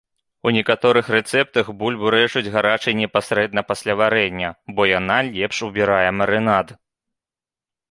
У некаторых рэцэптах бульбу рэжуць гарачай непасрэдна пасля варэння, бо яна лепш убірае марынад.